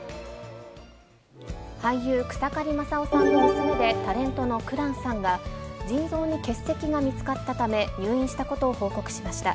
俳優、草刈正雄さんの娘でタレントの紅蘭さんが、腎臓に結石が見つかったため、入院したことを報告しました。